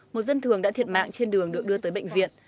một dân thường đã thiệt mạng trên đường được đưa tới bệnh viện